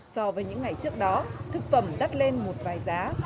so với những ngày trước đó thực phẩm đắt lên một vài giá